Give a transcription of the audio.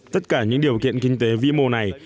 tất cả những điều kiện kinh tế vĩ mô này